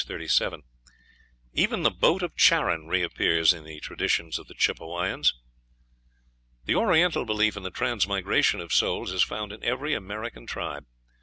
37.) Even the boat of Charon reappears in the traditions of the Chippewayans. The Oriental belief in the transmigration of souls is found in every American tribe.